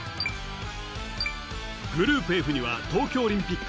グループＦには東京オリンピック